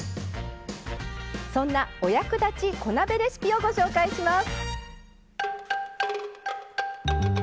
そんなお役立ち小鍋レシピをご紹介します。